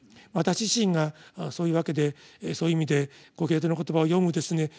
私自身がそういうわけでそういう意味で「コヘレトの言葉」を読むですね